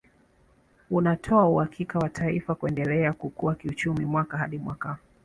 Unatoa uhakika wa taifa kuendelea kukua kiuchumi mwaka hadi mwaka